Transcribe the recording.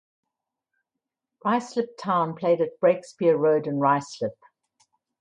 Ruislip Town played at Breakspear Road in Ruislip.